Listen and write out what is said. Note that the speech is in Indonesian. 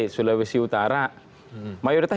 sulawesi utara mayoritas